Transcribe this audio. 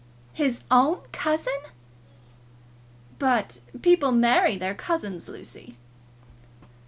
"His own cousin!" "But people marry their cousins, Lucy."